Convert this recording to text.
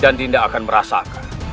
dan dinda akan merasakan